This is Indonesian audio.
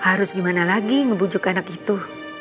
harus gimana lagi ngebujuk anak itu